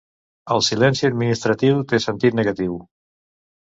El silenci administratiu té sentit negatiu.